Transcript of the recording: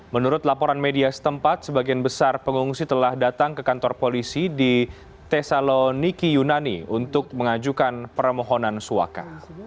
menurut laporan media setempat sebagian besar pengungsi telah datang ke kantor polisi di tesaloniki yunani untuk mengajukan permohonan suaka